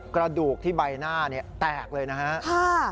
กระดูกที่ใบหน้าเนี่ยแตกเลยนะฮะ